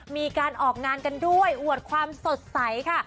มีการออกงานกันด้วยอวดความสดใสค่ะ